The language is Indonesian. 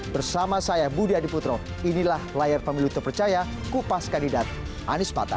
bersama saya budi adiputro inilah layar pemilu terpercaya kupas kandidat anies mata